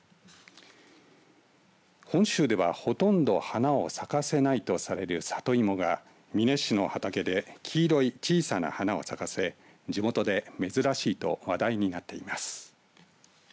本州ではほとんど花を咲かせないとされる里芋が美祢市の畑で黄色い小さな花を咲かせ地元で珍しいと話題になっています。